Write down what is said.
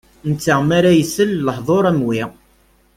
Netta mi ara isel i lehdur am wi.